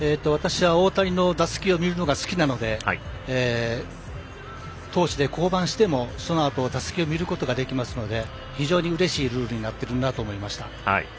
私は大谷の打席を見るのが好きなので投手で降板してもそのあと打席を見ることができますので非常にうれしいルールになっているなと思いました。